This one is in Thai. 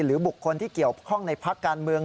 บุคคลที่เกี่ยวข้องในพักการเมือง